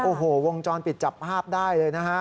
โอ้โหวงจรปิดจับภาพได้เลยนะฮะ